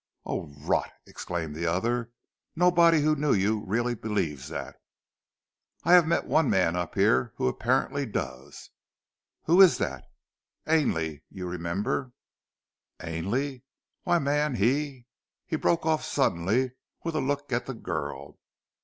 "Oh rot!" exclaimed the other. "Nobody who knew you really believes that." "I have met one man up here who apparently does!" "Who is that?" "Ainley! You remember " "Ainley! Why, man, he " He broke off suddenly, with a look at the girl.